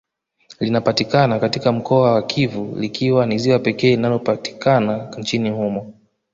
Linapatikana katika mkoa wa Kivu likiwa ni ziwa pekee linalopatikana nchini humo